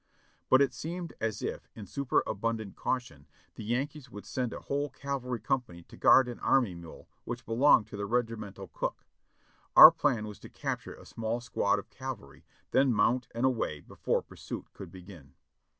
But it seemed as 620 JOHNNY REB AND BILLY YANK if, in superabundant caution, the Yankees would send a whole cavalry company to guard an army mule which belonged to the regimental cook. Our plan was to capture a small squad of cavalry, then mount and away before pursuit could begin.